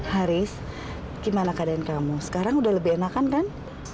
haris gimana keadaan kamu sekarang udah lebih enakan kan